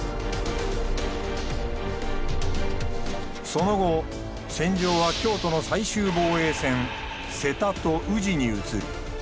その後戦場は京都の最終防衛線瀬田と宇治に移る。